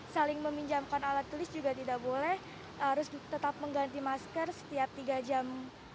saling meminjamkan alat tulis juga tidak boleh harus tetap mengganti masker setiap tiga jam